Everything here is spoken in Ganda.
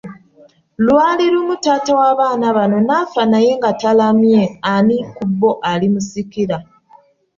Lwali lumu taata w’abaana bano n'affa naye nga talaamye ani ku bo alimusikira.